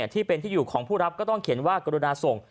ที่เป็นที่อยู่ของผู้รับก็ต้องเขียนว่ากรุณาส่ง